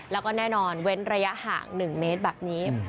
แล้วก็แน่นอนเว้นระยะห่าง๑เมตรแบบนี้